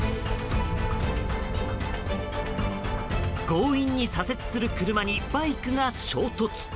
強引に左折する車にバイクが衝突。